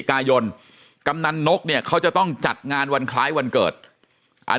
กายนกำนันนกเนี่ยเขาจะต้องจัดงานวันคล้ายวันเกิดอัน